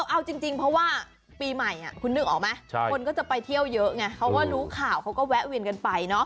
เอาจริงเพราะว่าปีใหม่คุณนึกออกไหมคนก็จะไปเที่ยวเยอะไงเพราะว่ารู้ข่าวเขาก็แวะเวียนกันไปเนาะ